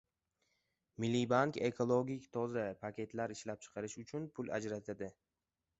Milliy bank ekologik toza paketlar ishlab chiqarish uchun pul ajratadi